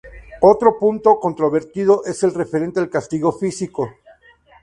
Otro punto controvertido es el referente al castigo físico.